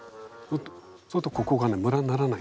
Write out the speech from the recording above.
そうするとここがねムラにならないんですよ。